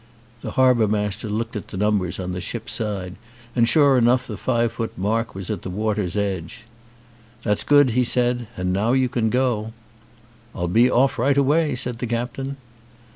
The harbour master looked at the numbers on the ship's side and sure enough the five foot mark was at the water's edge. "That's good," he said. "And now you can go." "I'll be off right away," said the captain.